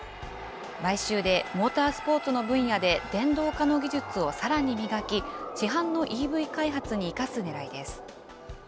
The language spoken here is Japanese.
買収でモータースポーツの分野で電動化の技術をさらに磨き、市販のＥＶ開発に生かすねらいです。